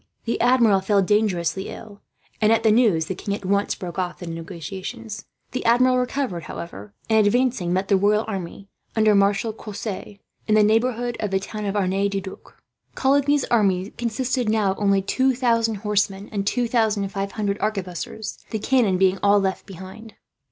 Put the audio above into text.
The Admiral fell dangerously ill and, at the news, the king at once broke off the negotiations. He recovered, however, and, advancing, met the royal army, under Marshal Cosse, in the neighbourhood of the town of Arnay de Duc. Coligny's army had dwindled away during its terrible march, and it consisted now of only two thousand horsemen and two thousand five hundred arquebusiers, the cannon being all left behind.